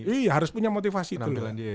iya harus punya motivasi itu